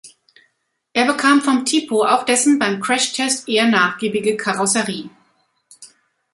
Er bekam vom Tipo auch dessen beim Crashtest eher nachgiebige Karosserie.